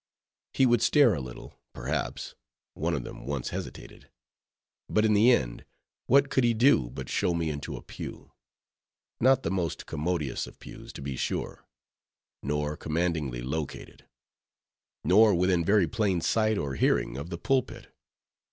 He would stare a little, perhaps (one of them once hesitated), but in the end, what could he do but show me into a pew; not the most commodious of pews, to be sure; nor commandingly located; nor within very plain sight or hearing of the pulpit.